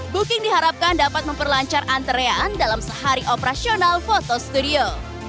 booking diharapkan dapat memperlancar antrean dalam sehari operasional foto studio